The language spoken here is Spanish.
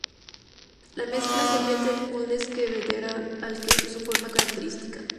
La mezcla se vierte en moldes que darán al queso su forma característica.